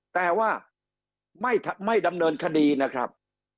แต่ว่าไม่ดำเนินคดีนะครับ